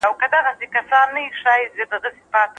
د خلګو اندېښنې څنګه لري کېږي؟